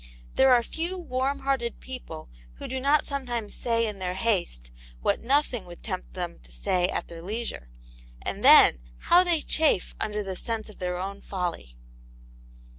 There are few warm hearted people who do not sometimes say in their haste what nothing would tempt them to say at their leisure, and then, how they chafe under the sense of their own folly.